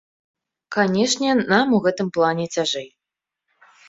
Канечне, нам у гэтым плане цяжэй.